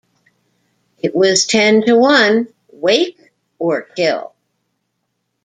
It was ten to one — wake or kill.